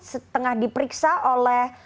setengah diperiksa oleh